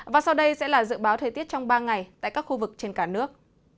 và sau đây sẽ là dự báo thời tiết trong ba ngày tại các khu vực trên cả nước